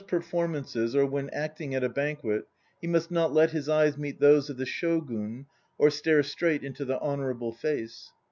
INTRODUCTION 23 At Palace performances or when acting at a banquet, he must not let his eyes meet those of the Shogun or stare straight into the Hon ourable Face.